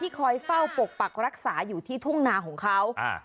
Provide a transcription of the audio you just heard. คอยเฝ้าปกปักรักษาอยู่ที่ทุ่งนาของเขา